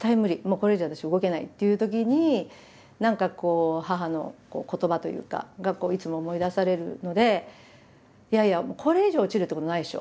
これ以上私動けない」っていうときに何かこう母の言葉というかがいつも思い出されるので「いやいやこれ以上落ちるってことないでしょ。